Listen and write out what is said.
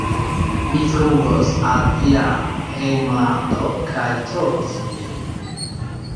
Mi flugos al via hejmlando kaj trovos vin